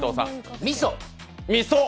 みそ。